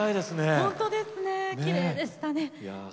本当ですね、きれいでしたね。